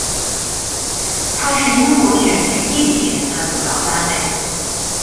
它是英国选举地理学的主要单位。